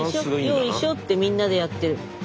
よいしょよいしょってみんなでやってる。